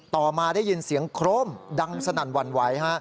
ต่อมาได้ยินเสียงโครมดังสนั่นหวั่นไหว